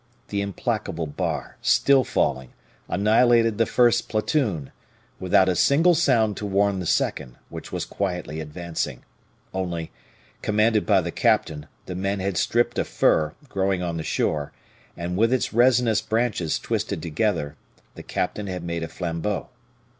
The implacable bar, still falling, annihilated the first platoon, without a single sound to warn the second, which was quietly advancing; only, commanded by the captain, the men had stripped a fir, growing on the shore, and, with its resinous branches twisted together, the captain had made a flambeau.